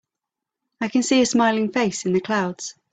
I can see a smiling face in the clouds.